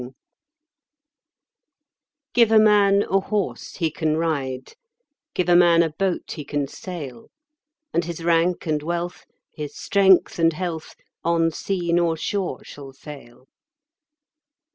Gifts GIVE a man a horse he can ride, Give a man a boat he can sail; And his rank and wealth, his strength and health, On sea nor shore shall fail.